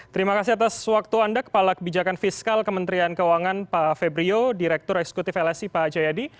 terima kasih atas waktu anda kepala kebijakan fiskal kementerian keuangan pak febrio direktur eksekutif lsi pak jayadi